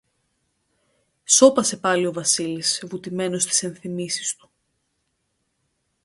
Σώπασε πάλι ο Βασίλης, βουτημένος στις ενθυμήσεις του.